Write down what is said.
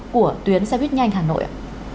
của tuyến xe buýt nhanh hà nội ạ